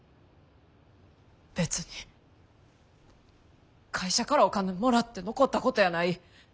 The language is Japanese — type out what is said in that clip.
別に会社からお金もらって残ったことやない。